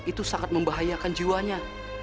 itu sangat membahayakan jiwanya